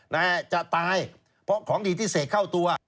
นะฮะจะตายเพราะของดีที่เสกเข้าตัว